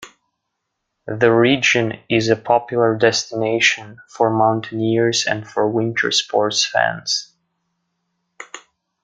The region is a popular destination for mountaineers and for winter sports fans.